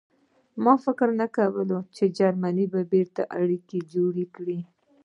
ما فکر نه کاوه چې جرمني به بېرته اړیکې جوړې کړي